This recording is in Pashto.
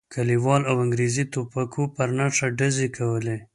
کلیوالو په انګریزي ټوپکو پر نښه ډزې کولې.